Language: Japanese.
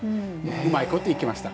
うまいこといきました。